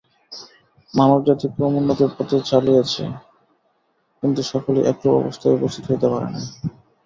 মানবজাতি ক্রমোন্নতির পথে চলিয়াছে, কিন্তু সকলেই একরূপ অবস্থায় উপস্থিত হইতে পারে নাই।